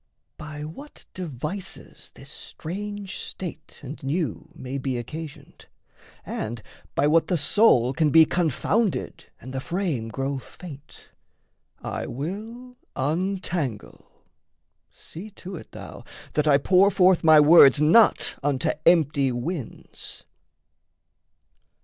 By what devices this strange state and new May be occasioned, and by what the soul Can be confounded and the frame grow faint, I will untangle: see to it, thou, that I Pour forth my words not unto empty winds.